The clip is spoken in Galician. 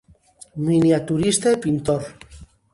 Miniaturista e pintor.